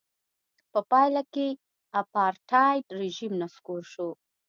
په پایله کې اپارټایډ رژیم نسکور شو.